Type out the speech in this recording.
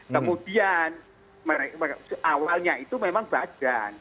kemudian awalnya itu memang badan